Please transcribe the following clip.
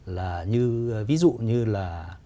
là ví dụ như là